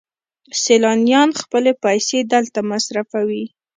سیلانیان خپلې پیسې دلته مصرفوي.